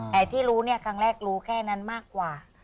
แต่ที่รู้เนี่ยครั้งแรกรู้แค่นั้นมากกว่า